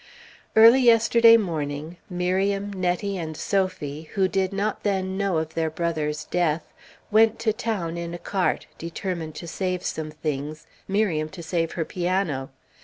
Lilly. Early yesterday morning, Miriam, Nettie, and Sophie, who did not then know of their brother's death, went to town in a cart, determined to save some things, Miriam to save her piano.